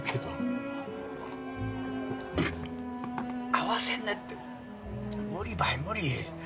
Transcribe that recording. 会わせんねって無理ばい無理。